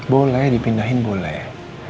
boleh dipindahin boleh